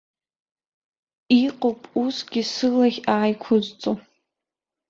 Иҟоуп усгьы сылахь ааиқәызҵо.